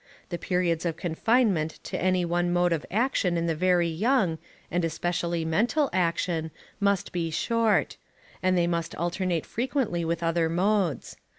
The periods of confinement to any one mode of action in the very young, and especially mental action, must be short; and they must alternate frequently with other modes.